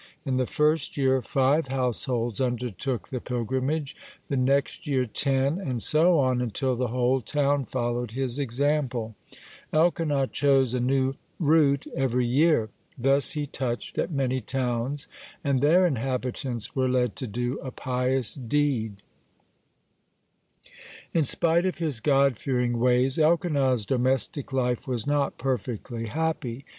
In the first year five households undertook the pilgrimage, the next year ten, and so on until the whole town followed his example. Elkanah chose a new route every year. Thus he touched at many towns, and their inhabitants were led to do a pious deed. (5) In spite of his God fearing ways, Elkanah's domestic life was not perfectly happy.